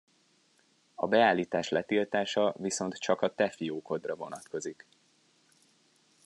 A beállítás letiltása viszont csak a te fiókodra vonatkozik.